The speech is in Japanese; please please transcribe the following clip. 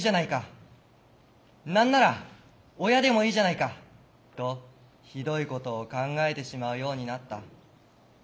何なら親でもいいじゃないかとひどいことを考えてしまうようになった。